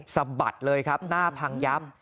สะบัดเลยครับหน้าพังยับ